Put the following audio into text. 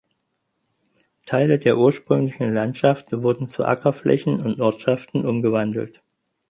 Teile der ursprünglichen Landschaft wurden zu Ackerflächen und Ortschaften umgewandelt.